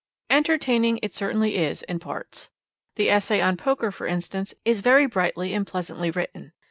Entertaining it certainly is in parts. The essay on Poker, for instance, is very brightly and pleasantly written.